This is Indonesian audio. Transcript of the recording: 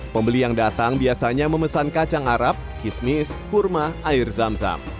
pembeli yang datang biasanya memesan kacang arab kismis kurma air zam zam